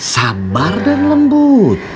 sabar dan lembut